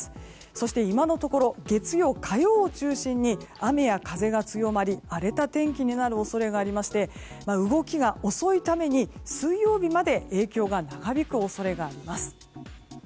そして今のところ月曜日、火曜日を中心に雨や風が強まり荒れた天気になる恐れがありまして動きが遅いために、水曜日まで影響が長引く恐れがあります。